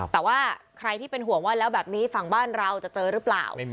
แต่ว่าใครที่เป็นห่วงว่าแล้วแบบนี้ฝั่งบ้านเราจะเจอหรือเปล่า